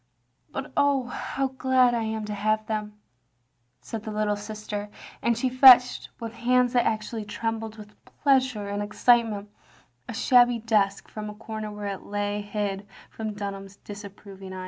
But oh, how glad I am to have them," said the little sister, and she fetched, with hands that actually trembled with pleasure and excitement, a shabby desk from a comer where it lay hid from Dtmham's disapproving eye.